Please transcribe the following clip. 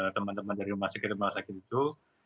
teman teman dari rumah sakit itu